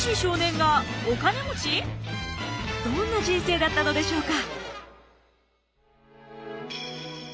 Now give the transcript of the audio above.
あのどんな人生だったのでしょうか？